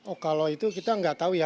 oh kalau itu kita nggak tahu ya